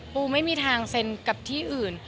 ไม่มีทางเซ็นกับที่อื่น